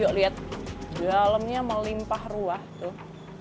yuk lihat helmnya melimpah ruah tuh